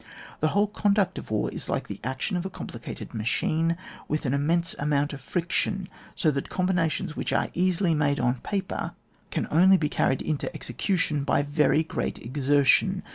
The whole conduct of war is like the action of a complicated machine, with an immense amount of friction ; so that com binations which are easily made on paper, can only be carried into execution by very g^eat exertion.